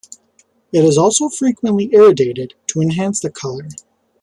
It is also frequently irradiated to enhance the color.